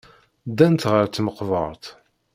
Ddant ɣer tmeqbert.